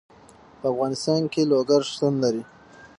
په افغانستان کې لوگر شتون لري.